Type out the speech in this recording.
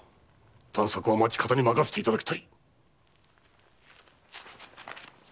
探索は町方に任せていただきたい。